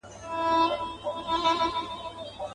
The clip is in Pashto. په ځنځیر د دروازې به هسي ځان مشغولوینه.